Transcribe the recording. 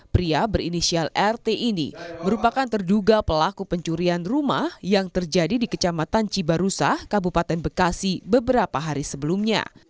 pria berinisial rt ini merupakan terduga pelaku pencurian rumah yang terjadi di kecamatan cibarusah kabupaten bekasi beberapa hari sebelumnya